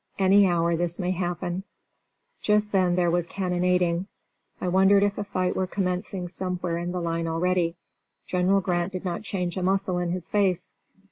Any hour this may happen." Just then there was cannonading. I wondered if a fight were commencing somewhere in the line already. General Grant did not change a muscle in his face.